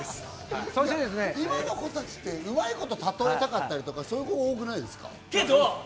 今の子たちって、うまく例えたりとか、そういう子が多くないですか？